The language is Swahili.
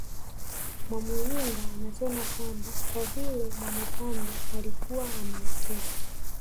Mwamuyinga anasema kwamba kwa vile Mwamubambe alikuwa amewatesa